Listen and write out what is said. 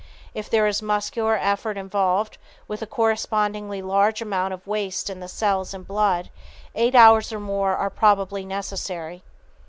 If there is muscular effort involved, with a correspondingly large amount of waste in the cells and blood, eight hours or more are probably necessary.